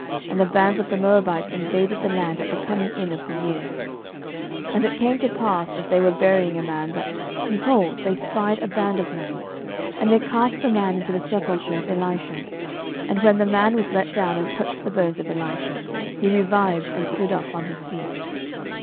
And the bands of the Moabites invaded the land at the coming in of the year. 12:013:021 And it came to pass, as they were burying a man, that, behold, they spied a band of men; and they cast the man into the sepulchre of Elisha: and when the man was let down, and touched the bones of Elisha, he revived, and stood up on his feet.